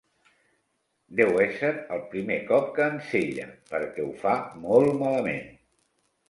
Deu ésser el primer cop que ensella, perquè ho fa molt malament.